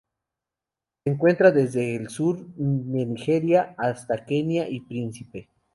Se encuentra desde el sur de Nigeria hasta Kenia y Príncipe.